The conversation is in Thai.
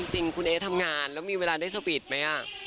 จริงคุณเอ๊ทำงานแล้วมีเวลาได้สวีทไหม